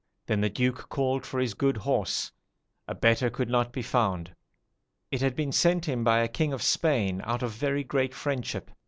Then the Duke called for his good horse a better could not be found. It had been sent him by a king of Spain, out of very great friendship.